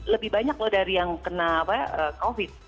lebih banyak loh dari yang kena covid